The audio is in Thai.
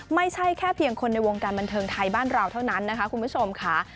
ไม่ใช่แค่เพียงคนในวงการบันเทิงไทยบ้านเราเท่านั้นนะคะคุณผู้ชมค่ะ